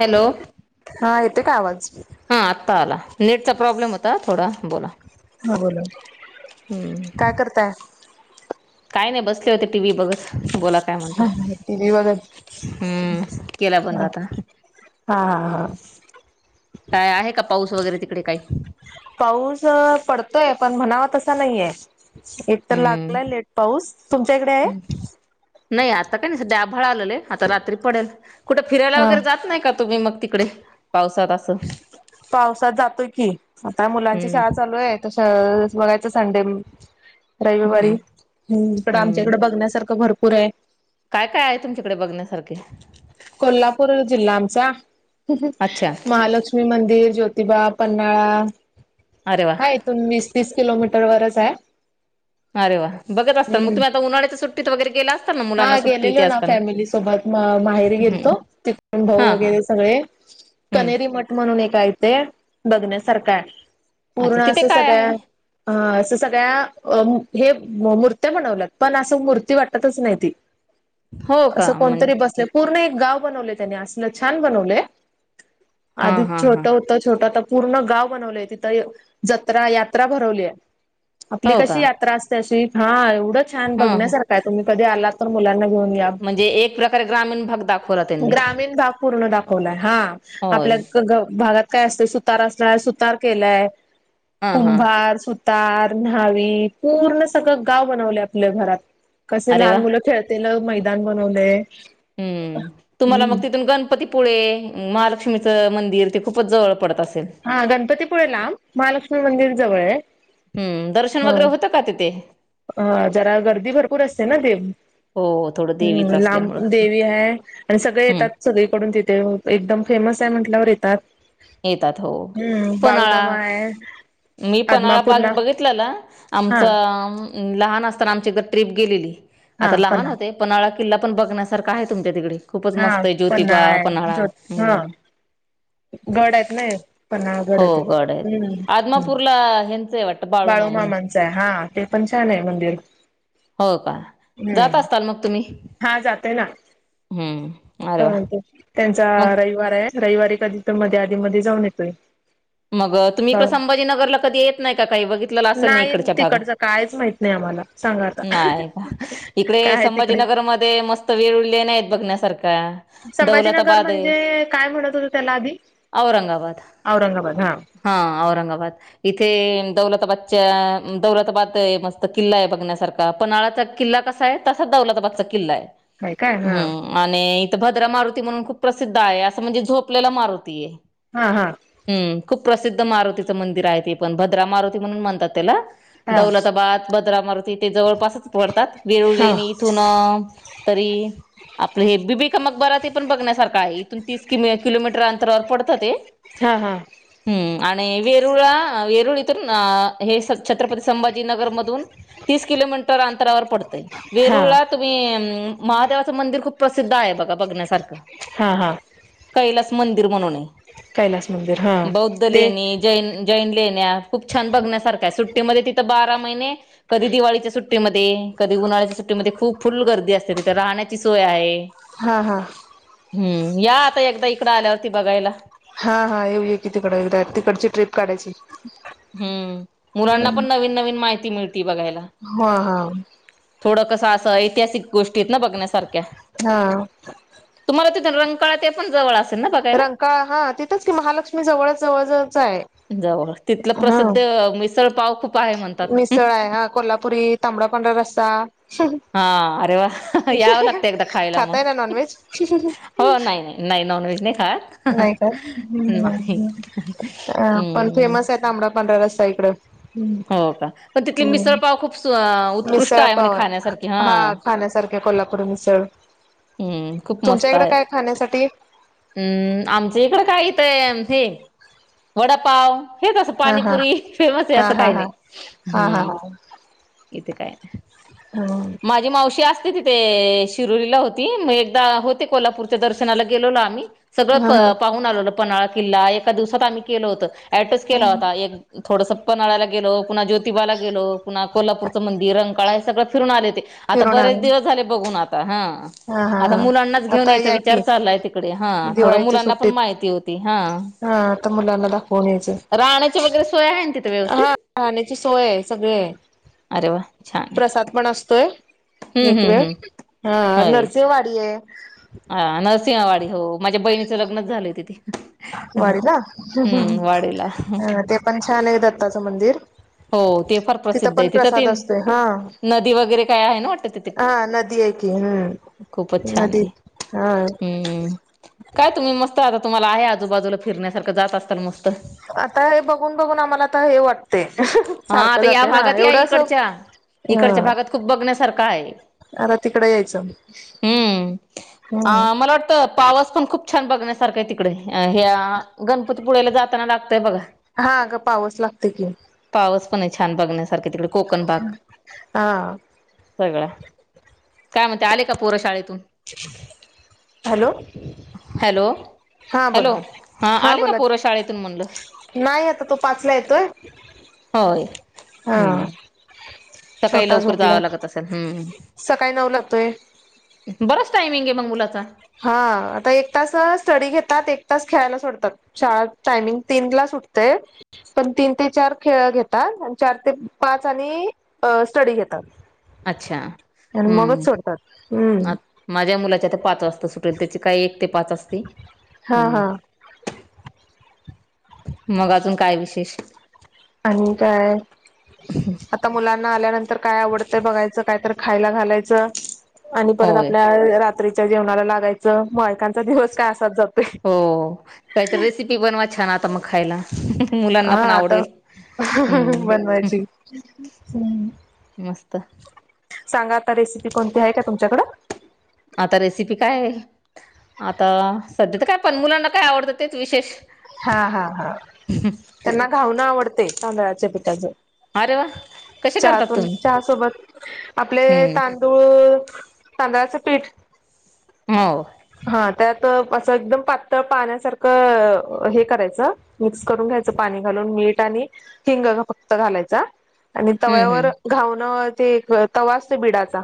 Hello ते काय आवाज हा आत्ता आला नेटचा प्रॉब्लेम होता थोडा बोला ह बोला काय हम्म करताय काय नाही बसले होते टीव्ही बघत बोलात हा हातीवा हा हम्म केला बंद हा आता हा हा काय आहे का पाऊस वगैरे तिकडे काही पाऊस पडतोय पण म्हणाव तस नाही एक तर लागलाय हम्म लेट पाऊस तुमच्या इकडे आहे. नाही आता काही नाही ड्याभाळा आलेले आता रात्री पडेल कुठे फिरायला हा वगैरे जात नाही का तुम्ही मग तिकडे पावसात असं पावसात जातोय की आता मुलांची हम्म शाळा चालू आहे तस बघायचं संडे रविवारी हम्म इकड आमच्या हम्म इकड बघण्यासारख भरपूर पुरय काय काय आहे तुमच्याकडे बघण्यासारखे कोल्हापूर जिल्हा आमचा अच्छा महालक्ष्मी मंदिर ज्योती जोतिबा पान्हाळा अरे वा हा इथून वीस तीस किलोमीटर वरच हाय अरे वा बघत असताात मग तुम्ही आ उ्हाळ्याच्या सुट्टीत वगैरे गेला ना मुलांना हा सुट्टी गेलेल ते हो ना असताना फॅमिली सोबत माहेरी हम्म गेलतो तिथूनन भाऊ हा हा वगैरे सगळे हम्म कनेरी मठ म्हणून एकय ते बघण्यासारखा आहे. अच्छा पूर्ण तिथे असं काय सगळ्या आहे? अ असं सगळ्या हे मूर्त्या बनवल्यात पण असं मूर्ती वाटतच नाही ती हो का असं म्हण कोणतरी बसले पूर्ण गाव बनवलं त्यानी अस छान बनवलं हा आधी हा हा छोट होतं छोटं आत्ता पूर्ण गाव बनवलेय तिथे जत्रा यात्रा भरवलीय आपली हो का कशी यात्रा असते अशी हा एवढं छान हा हा बघण्यासारखं आहे तुम्ही कधी आलात तर मुलांना घेऊन या म्हणजे एक प्रकारे ग्रामीण भाग दाखवला त्यांनी ग्रामीण भाग पूर्ण दावलाय हा आप होय भागात काय असतयं सुतार असणार सुतार केलाय हा हा कुंभार तार न्हावी पूर्ण सगळं गाव बनवले आपल्या घरात कसे अरे वा लहान मुलं ला मैदान बनवलंय. हम्म तुम्हाला हम्म मग तिथून गणपती पुढे महालक्ष्मीचं मंदिर ते खूपच जवळ पडत असलं. हा गणपतीपुळेला महालक्ष्मी मंदिर जवळ आहे. हम्म दर्शन वगैरे होतं का तिथे हा जरा गर्दी भरपूर असते ना देव हो थोडं हम् देवीच लांब असल्यामुळं देवी आहे आणि सगळे हम्म येतात सगळीकडून तिथे एकदम फेमस म्हटल्यावर येतात. हो हम्म बाळूमामा पन्हाळा आहे मी पन्हाळा पाग आदमापूरला बघितलाला हा आमचा लहान असताना आमची एक ट्रिप गेलेली आता हा लहान पणा होते पन किल्ला पण बघण्यासारख आहे तुमच्या तिकडे खूपच हा मस्त आहे ज्योतिबा पन्हाळा आहे पन्हाळा जोत हा हम्म गड हायत नाही पन्हाळा गड हो हाय तो. आहेत आदमापूरला ह्यांचं आहे वाटतं बाळूमा म्हण बाळूमामांचं आहे हा ते पण छान आहे मंदिर हो का हम्म जात असताल मग तुम्ही हा जाते ना हम्म अरे अ वा ते त्यांचा मग रविवार आहे. रविवारी कधी तर मध्ये आधी मध्ये जाऊन येतोय. मग तुम्ही इकड संभाजीनगरला कधी येत नाही का ताई बघितलेला असेल ना नाही इकडचा भाग तिकडचं कायच माहित नाही आम्हाला सांगा आता नाही इकडे काय आहे तिकडे संभाजीनगर मध्ये मस्त वेळ उळले नाहीत बघण्यासारखे का संभाजीनगर दौलताबाद आहे म्हणजे काय म्हणत होत त्याला आधी औरंगाबाद हा औरंगाबाद इथे दौलतबाद दौलताबाद मस्त किल्ला आहे बघण्यासारखा पन्हाळाचा किल्ला कसा आहे तसा दौलताबादचा किल्ला आहे. हाय काय हा हम्म आणि तर भद्रा मारुती म्हणून खूप प्रसिद्ध आहे असं म्हणजे झोपलेला मारुती आहे. हा हा हम्म खूप प्रसिद्ध मारुतीचं मंदिर आहे ते पण भद्रा मारुती म्हणून म्हणतात त्याला हा दौलताबाद बद्र मारती ते जवळपास तात वेरळ हा इथून त आप हे ब मकबरा ते पण बघण्यासारखा आहे इथून तीस किलोमीटर अंतरावर पडतं ते हा हा हम्म आणि वेरुळा वेरुळ इथून हे छत्रपती संभाजीनगरमधून तीस किलोमीटर अंतरावर पडतंय हा वेरूळला तुम्ही महादेवाचं मंदिर खूप प्रसिद्ध आहे बघा बघण्यासारखं हा हा पहिलास मंदि म्हणून कैलास मंदिर हा बौद्ध ले ते जैन जैन लेण्या खूप छान बघण्यासारखा सुट्टीमध्ये तिथं बारा महिने कधी दिवाळीच्या सुट्टीमध्ये कधी उन्हाळ्याच्या सुट्टीमध्ये खूप फुल गर्दी असते तिथे राहण्याची सोय आहे हा हा हम्म या आता एकदा इकडं आल्यावरती बघायला हा हा येऊ आहे की तिकड एकदा तिकडची ट्र्रीप काढायची हम्म मुलांना पण नवीन नवीन माहिती मिळते हा हा थोडं कसं असं ऐतिहासिक गोष्टीत ना बघण्यासारख्या हा तुम्हाला रंगकळा ते पण जवळ असत रंकाळ हा तिथंच की महालक्ष्मी जवळ जवळच आहे जवळ तिथलं हा प्रसिद्ध मिसळ पाव खूप आहे म्हणतात मिसळ आहे हा कोल्हापुरी तांबडा पांढरा रस्सा हा अरे वा यावं लागतं एकदा खायला मग खातय ना नॉन व्हेज हो नाही नाही नाही नॉन व्हेज नाही खा नाही का नाहीम् अ पण फेमस आहे तांबड पंढरा रस्ता इकडं ह् हो का पण तिथली ह् मिसळपाव खूप उत्कृष्ट मिसळ म्हणे पाव आहे खाण्यासारखी हा खाण्यासारख कोल्हापूर मिसळ हम्म खूप तुमच्या मस्त इकडे आहे काय खाण्यासाठी हम्म आमच्या इकडं काय येतय हे वडापाव हे तसं हा हा पाणीपुरी फेमस आहे हा असं हा काही नाही हा हा हा हम् इथे काय हा माझी मावशी असते तिथे शिरोलीला होती मग एकदा होते कोल्हापूरच्या दर्शनाला गेलोलो आम्ही सगळं हा हा पाहून आलंलं पन्हाळा किल्ला एका दिवसात आम्ही केलं होत ऍड्रेस केला होता फिरून एक थोडंसं पनळा्याला गेलो पुन्हा ज्योिबाला गेलो पुन्हा कोल्हापूरचं मंदिर रंगकाळा हे सगळं फिरून आले ते आता बरेच आले दिवस झाले बघून आता हा हा हा आता हा मुलांनाच घेऊन आता यायचा या विचार की चाललाय तिकडे हा थोड दिवाळीच्या मुलांना पण सुट्टीत माहिती होती हा हा आता मुलाणादा फोन यच राहण्याची वगैरे सोय आहे ना तिथे हा व्यवस्थित राहण्याची सोय आहे सगळे आहे अरे वा छान आहे प्रसाद पण असतोय हम्म एक हम्म वेळ हम्म हा नरसेिंवाडी आहे ह नरसिंहवाडी हो माझ्या बहिणीचं लग्नच झालं तिथे वाडीला हम्म वाडीला अ ते पण छान आहे दत्ताचं मंदिर हो ते फार तिथं प्रसिद्ध पण आहे ते प्रसाद असतोय हा नदी वगैरे काय आहे ना वाटतं तिथे हा नदी एक क हम्म खूपच छान नदी आहे हा हम्म काय तुम्ही मस्त आता तुम्हाला आहे आजूबाजूला फिरण्यासारं जात असतल मस्त हा आता हे बघून बघून आम्हाला आ तर हे वाटते हा सारखं आता या जाते ना भागात या एवढं असं इकडच्या इकडच्या भागात खूप बघण्यासारखा आहे अर तिकड यायचं हम् पावास पण खूप छान बघण्यासारखा आहे तिकडे ह गणपती पुढ्याला जाताना लागतंय बघा हा ग पावस लागते की पावस पण छान बघण्यासारखे तिकडे कोकण भाग हा सगळं काय म्हणते आले का पोर शाळेतून हॅलो हॅलो हा हॅलो बोला हा आले का बोला पोरं शाळेतून म्हणलं नाही आता तो पाचला येतोय होय हा हम्म सकाळी छोटा लवकर झोपला जावं लागत असेल हम्म सकाळी नऊ लागतोय बराच टायमिंग आहे मग मुलाचा हा आता एक तास स्टडी घेतात एक तास खेळायला सोडतात शाळ टायमिंग तीन क्लास सुठतय पण तीन ते चार खेळ घेतात आणि चार ते पाच आणि स्टडी घेतात अच्छा आणि मगच हम्म सोडतात हम्म माझ्या मुलाच्या पाच वाजता सु ल त्याचे काय एक ते पाच असते हा हम् हा मग अजून काय विशेष आणि काय आता मुला आल्यानंतर काय आवडत बघायच काय तर खायला घालायचं आणि परत होय आपल्या रात्रीच्या जेवणाला लागायचं मायकांचा दिवस काय असाात जात हो काहीतरी रेसिपी बनवा छान आता मग खायला मुलांना हा पण आता आवडेल हम्म बनवायची हम् तर कोणती आहे का तुमच्याकडं आता रेसिपी काय आहे आता सध्या तर काय पण मुलांना काय आवडतं तेच विशेष हा हा हा त्यांना घाऊणं आवडते तांदळाच्या पिठाचं अरे वा कसे करतात चहतून तुम्ही चहा सोबत आपले हम्म तांदूळ तांदळाचं पीठ हो हा त्यात असं एकदम पातळ पाण्यासारखं हे करायचं मिक्स करून घ्यायचं पाणी घालून म मीठ आणि हिंग फक्त घालायचा आणि हम्म तव्यावर हम्म घाऊनं ते एक तवा असते बिडाचा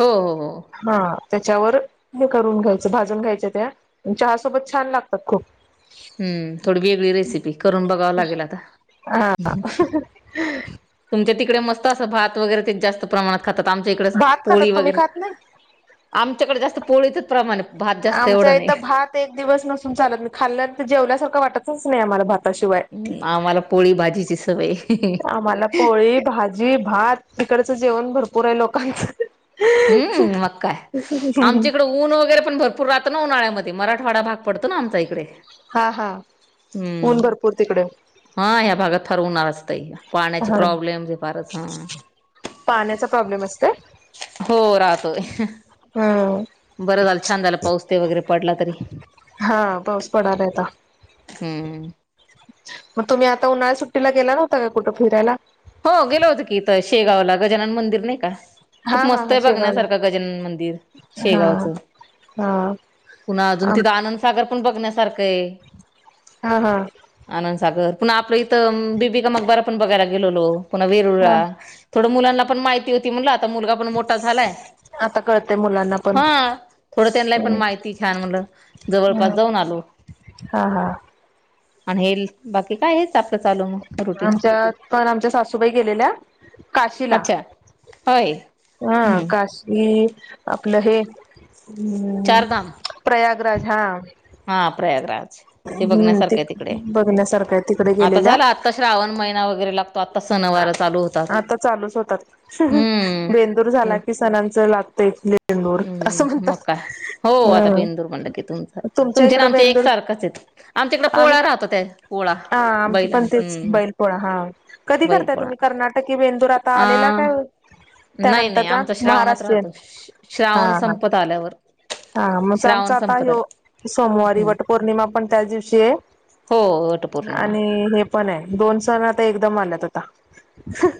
हो हो हो हा त्याच्यावर हे करून घ्यायच भाजून घ्यायच त्या चहा सोबत छान लागतात खूप हम्म थोडी वेगळी रेसिपी करून बघाव लागेल आता हम् ते तिकडे मस्त असं भात वगैरे जास्त प्रमाणात खातात आमच्या इकडे भात खातात पोळी तुम्ही वगैरे खात नाही आमच्याकडे जास्त पोळीच प्रमाण भात जास्त आमचा एवढं नाही इथ भात एक दिवस नसून चालत नाही खाल्ल्यान जेवल्यासारखं वाटतच नाही आम्हाला भात ह् आम्हाला पोळी भाजीची सवय आम्हाला पोळी भाजी भात तिकडचं जेवण भरपूर आहे लोकांचं हम्म मग काय आमच्या इकडे ऊन वगैरे पण भरपूर राह ना उन्हाळ्यामध्ये मराठवाडा भाग पडतो ना आमचा इकडे हा हा ऊन हम्म भरपूर तिकडे हा ह्या भागात फारच उन्हाळा असते पाण्याची हा. प्रॉब्लेम हे फारच हा पाण्याचा प्रॉब्लेम असते हो राहतोय हम्म. बरं झालं छान झालं पाऊस ते वगैरे पडला तरी हा पाऊस पडालाहता हम्म मग तुम्ही आता उन्हाळ्या सुट्टीला गेला नव्हता का कुठं फिरायला हो गेल होतं की इथ शेगावला गजानन मंदिर नाही का खूप हा हा मस्त हा आहे शेगावला बघण्यासारखं गजानन मंदिर हा शेगावचं हा पुन्हा अजून आम तिथं आनंदसागर पण बघण्यासारखं आहे हा हा सागर पुन्हा आपलं इथं बीबिका मकबरा पण बघायला गेलोलो पुन्हा वेरुळ हा थोडं मुलांना पण माहिती होती म्हणलं आता मुलगा पण मोठा झालाय आता कळतय मुलांना पण हा थोडं त्यांना पण हम्म माहिती छान म्हलं जवळपास हम्म. जाऊन आलो हा हा आणि हे बाकी काय हेच आपलं चालू मग रुटीन आमच्या पण आमच्या सासूबाई गेलेल्या काशीला हय हा काशी आपलं हे हम्म चारधाम प्रयागराज हा हा प्रयग रागत ते हम्म ते बघण्यासारख तिकडे बघण्यासारखं आहे तिकडे आता गेलेल्या झालं आता श्रावण महिना वगरे लागतो आ आता चालूच होतात हम्म बेंदूर झाला हम् कि सणांच लात बेंदूर असं हम्म म्हणतात मग काय हो आता बेंदूर म्हणलं की तुमचं अ तुमच्या तुमचे ना इकड आमचे बेंदूर एकसारखंच आहेत आमच्याकडे आम्ही पोळा राहतो त्या पोळा हा आमची बैलां पण तेच हम्म बैल पोळा हा कधी बैल करताय पोळा तुम्ही कर्नाटकी बेंदूर आता अ आलेला काय नाही नाही त्यानंतरचा आमचा श्रावणात महाराष्ट्रीयन राहतो हा श्रावण हा संपत आल्यावर. हा म्हणज आमच श्रावण आता संपत आला सोमवारी वट पौर्णिमा पोळा पण त्या दिवशी ये हो वटपौर्णिमा आणि हे पण दोन सन आ एकदम आल्यात आता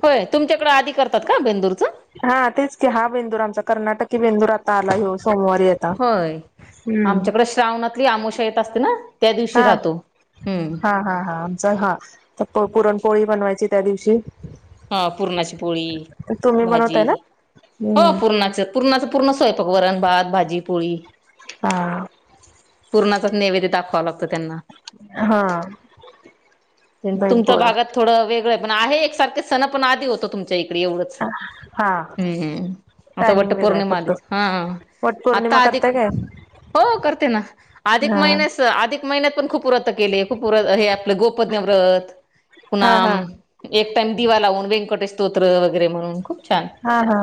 होय तुमच्याकडे आधी करतात का बेंदूरचं. हा तेच क हा बेंदूर आमचा कर्नाटकी बेंदूर आता आला ये सोमवारी आता. होय हम्म आमच्याकडे श्रावणातली आमोशा येत अस हा हा हा हा आमचा हा पुरणपोळी. बनवायची त्या दिवशी. हा पुरणाची पोळी तुम्ही भाजी. बनवताय ना हो हम्म पूर्णाच पूर्णाच पूर्ण स्वयंपाक वरण भात भाजी पोळी. हा. पुर्णाच नैवेद्य दाखवाव लागतं त्यांना. हा. तुमच्या बैलपोळा भागात थोडं वेगळं पण आहे एकसारखे सणं पण आधी होतो तुमच्या इकडे एवढंच. हा हम्म हम् आता वट टायमिंग वेगळा आहे पौर्णिमा फक्त आलीच हा वट आता पौर्णिमा करताय आधिक काय हो करते ना अधिक हा महिन्यास अधिक महिन्यात पण खूप उरत केली खूपर हे आपलं. प्यव्रत पुन्हा हा हा एक टाइम दिवा लावून व्यंकटे स्तोत्र वगैरे म्हणून ख हा हा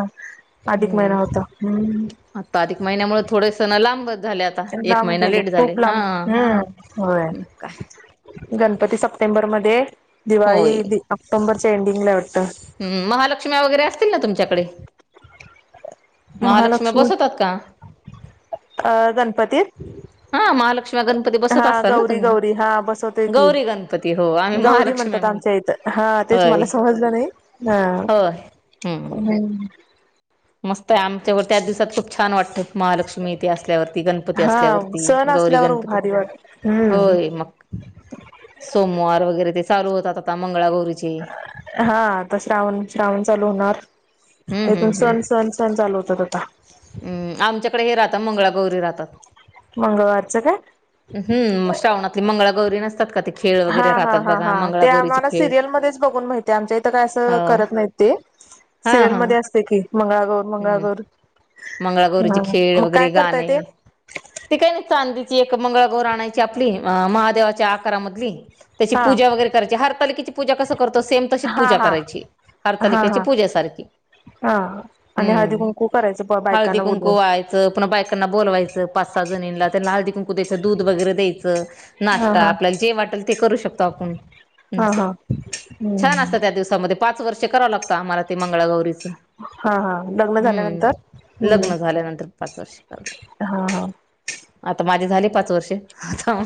अधिक महिना होता हम्म. आता अधिक महिन्यामुळे थोडेसणं लांबत लांब गेले खूप लांब ह् होय काय गणपती सप्टेंबरमध्ये होय दिवाळी ऑक्टोंबरच्या एंडिंग ला ये वाटत हम्म महालक्ष्मी वगैरे असतील ना तुमच्याकडे. महालक्ष्म्या महालक्ष्मी बसवतात का अ गणपतीत. हा महालक्ष्म्या गणपती हा बसत असाल ना गौरी तुम्ही गौरी हा बसवते की गौरी गणपती हो आम्ही गौरी महालक्ष्मी म्हणतात म्हणतो. आमच्या इथं. हा तेच होय. मला समजलं नाही हा. होय हम्म. मस्त आहे आमच्यावर त्याच दिवसात खूप छान वाटतं महालक्ष्मी ते असल्यावरती गणपती असल्यावरती गौरी करू गणपती भारी वा होय मग सोमवार वगैरे ते चालू होतात आता मंगळा गौरी. हा आता श्रावण श्रावण चालू होणार. हम्म त्याथून हम्म हम्म सण सण सण चालू होतात आता. हम्म आमच्याकडे हे राहतात मंगळागौरी राहतात. मंगळवारचं काय हम् श्रावणातली मंगळा गौरी नसतात का ते खेळ हा वगैरे हा राहतात हां बघा हा ते मंगळागौरीचे आम्हाला खेळ. सिरियलमध्येच बघून माहितीय आमच्या इथं काय हो असं करत नाही ते. हा हा सिरियलमध्ये असतय की मंगळागौर हम्म मंगळागौर. मंगळागौरीचे हा खेळ मग वगैरे काय करताय गाणे ते ते काही नाही चांदी एक मंगळा गौर आणायची आपली महादेवाच्या आकारामधली त्याची हा पूजा वगैर करायची. हरतालिकेची पूजा कस. करतो सेम तशीच हा पूजा हा करायची हा हरतालिकेची हा पूजे सारखी. हा आणि हळदी कुंकू करायचं. हळदी बायकांना कुंकू बोलवून वाहायचं. पुना बायकांना बोलवायचं पाच सहा जणींना त्यांना- हलदी कुंकू द्याचं दूध वगैरे दयचं. हा नाश्ता हा आपल्याला जे वाटेल ते करू शकतो आपण. हा हा छान हम्म असतं त्या दिवसामध्ये पाच वर्षे करावं लागतं आम्हाला ते मंगळगौरीच. हा हा लग्न झाल्यानंतर. लग्न हम्म झाल्यानंतर पाच वर्ष कराव लागत. हा हा आता माझे झाले पाच वर्ष आता.